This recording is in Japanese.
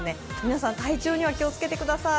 皆さん、体調には気をつけてください。